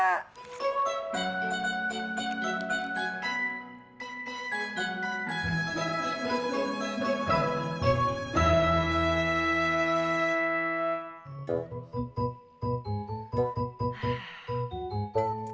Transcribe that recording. dan stamina juga tetap terjaga pak